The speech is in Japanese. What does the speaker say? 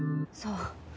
そう。